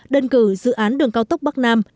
đơn cử dự án đường cao tốc bắc nam